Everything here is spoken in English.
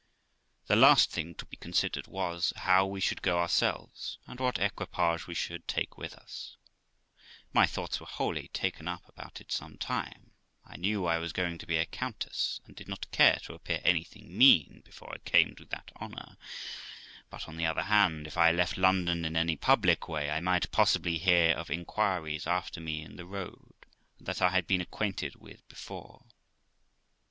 The last thing to be considered was, how we should go ourselves, and what equipage we should take with us ; my thoughts were wholly taken up about it some time; I knew I was going to be a countess, and did not care to appear anything mean before I came to that honour; but, on the other hand, if I left London in any public way, I might possibly hear of inquiries after me in the road, that I had been acquainted with before.